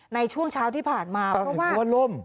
ในช่วงเช้าที่ผ่านมาเพราะว่ารั้วล่ม